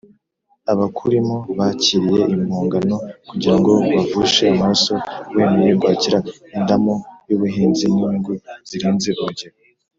Abakurimo bakiriye impongano kugira ngo bavushe amaraso, wemeye kwakira indamu y’ubuhenzi n’inyungu zirenze urugero,